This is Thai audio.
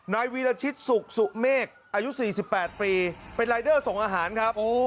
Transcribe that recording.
นายวีรชิตสุขสุเมฆอายุ๔๘ปีเป็นรายเดอร์ส่งอาหารครับ